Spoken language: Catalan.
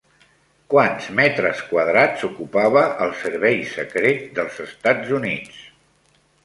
Quants metre quadrats ocupava el Servei Secret dels Estats Units?